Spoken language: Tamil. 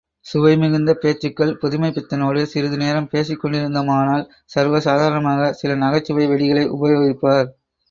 சுவைமிகுந்த பேச்சுக்கள் புதுமைப்பித்தனோடு சிறிது நேரம் பேசிக் கொண்டிருந்தோமானால் சர்வ சாதாரணமாக சில நகைச்சுவை வெடிகளை உபயோகிப்பார்.